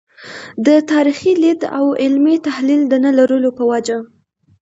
د تاریخي لید او علمي تحلیل د نه لرلو په وجه.